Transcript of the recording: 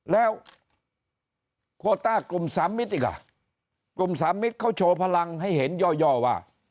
แล้วโคต้ากลุ่มสามมิตรอีกล่ะกลุ่มสามมิตรเขาโชว์พลังให้เห็นย่อว่า